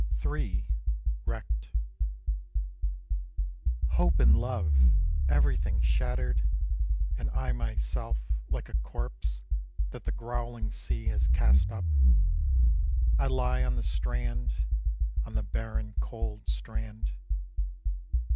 III. WRECKED. Hope and love! everything shattered And I myself, like a corpse That the growling sea has cast up, I lie on the strand, On the barren cold strand.